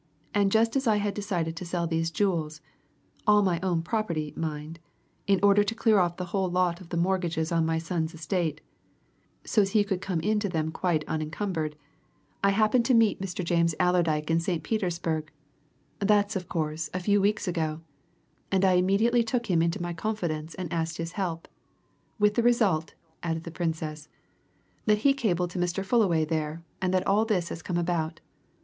And just as I had decided to sell these jewels' all my own property, mind in order to clear off the whole lot of the mortgages on my son's estate, so's he could come into them quite unencumbered, I happened to meet Mr. James Allerdyke in St. Petersburg that's of course, a few weeks ago and I immediately took him into my confidence and asked his help. With the result," added the Princess, "that he cabled to Mr. Fullaway there and that all this has come about!